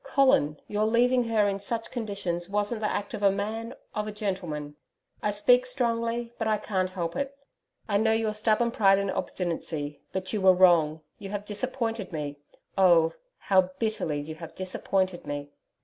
Colin, your leaving her in such conditions wasn't the act of a MAN, of a gentleman. I speak strongly, but I can't help it. I know your stubborn pride and obstinacy, but you were wrong, you have disappointed me oh! how bitterly you have disappointed me!